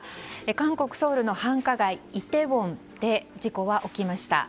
韓国ソウルの繁華街イテウォンで事故は起きました。